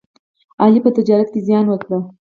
علي په تجارت کې زیان وکړ.